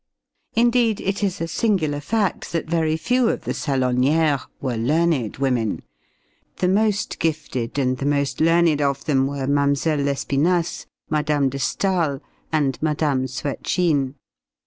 Indeed, it is a singular fact that very few of the salonières were learned women. The most gifted and the most learned of them were Mlle. Lespinasse, Mme. de Staël, and Mme. Swetchine.